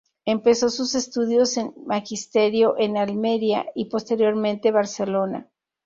Empezó sus estudios en magisterio en Almería, y posteriormente Barcelona.